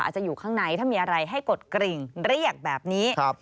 อยู่ข้างในถ้ามีอะไรให้กดกริ่งเรียกแบบนี้